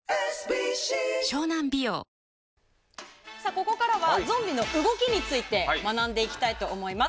ここからはゾンビの動きについて学んでいきたいと思います。